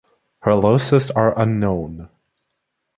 Her losses are unknown.